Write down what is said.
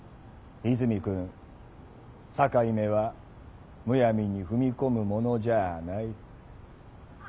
泉くん「境目」はむやみに踏み込むものじゃあない。